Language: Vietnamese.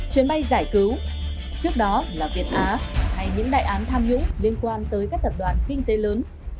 chuyến bay giải cứu trước đó là việt á hay những đại án tham nhũng liên quan tới các tập đoàn kinh tế lớn